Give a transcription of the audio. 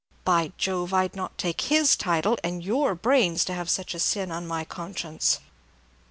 By Jove, I 'd not take his title, and your brains, to have such a sin on my conscience!"